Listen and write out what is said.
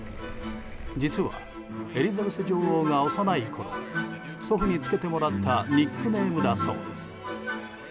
実は、エリザベス女王が幼いころ祖父につけてもらったニックネームだそうです。